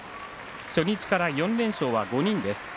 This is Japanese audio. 初日から４連勝は５人です。